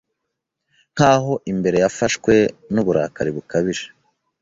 Nkaho imbere yafashwe nuburakari bukabije